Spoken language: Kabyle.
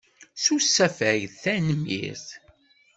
S usafag, tanemmirt.